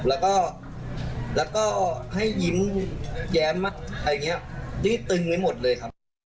แล้วก็ให้ยิ้มแย้มมัดอะไรอย่างนี้ได้ตึงไว้หมดเลยครับ